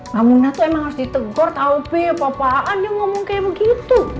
mami tuh emang harus ditegor tau bi apa apaan yang ngomong kayak begitu